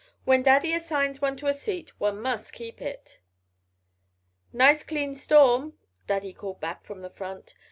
"When Daddy assigns one to a seat one must keep it." "Nice clean storm," Daddy called back from the front.